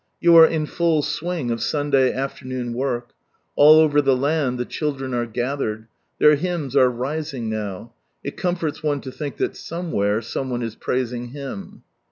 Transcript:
You are in full swing of Sunday afternoon work ; all over the land the children are gathered ; their hymns are rising now ; it comforts one to think that somewhere, some one is praising Him.